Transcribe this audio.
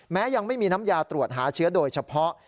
ยังไม่มีน้ำยาตรวจหาเชื้อโดยเฉพาะ